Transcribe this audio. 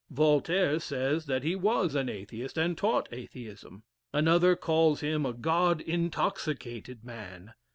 Voltaire says, that he was an Atheist, and taught Atheism. Another calls him "a God intoxicated man."